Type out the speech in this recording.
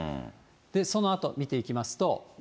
そのあと見ていきますと。